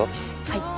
はい。